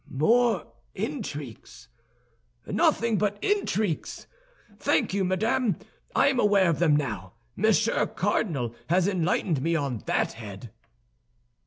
"More intrigues! Nothing but intrigues! Thank you, madame, I am aware of them now; Monsieur Cardinal has enlightened me on that head."